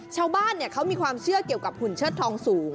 ชาวบ้านเขามีความเชื่อเกี่ยวกับหุ่นเชิดทองสูง